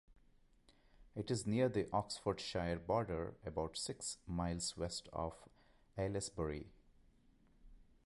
It is near the Oxfordshire border, about six miles west of Aylesbury.